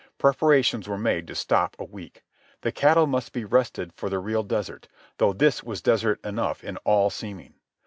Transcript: Preparations were made to stop a week. The cattle must be rested for the real desert, though this was desert enough in all seeming.